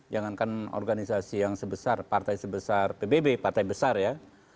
jangankan organisasi yang sebesar partai sebesar pbb partai besar ya